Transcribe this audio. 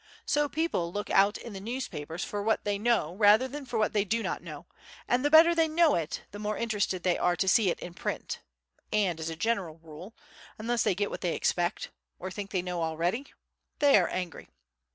So people look out in the newspapers for what they know rather than for what they do not know, and the better they know it the more interested they are to see it in print and, as a general rule, unless they get what they expect—or think they know already—they are angry.